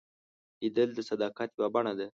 لیدل د صداقت یوه بڼه ده